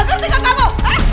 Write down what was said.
ngerti gak kamu